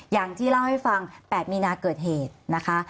อย่างที่เล่าให้ฟัง๘มีนาเกิดเหตุนะคะ